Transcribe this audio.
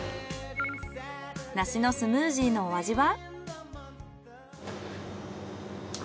梨のスムージーのお味は？